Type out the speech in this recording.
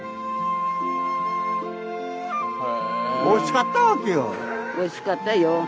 おいしかったわけよ。